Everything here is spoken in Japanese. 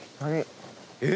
えっ？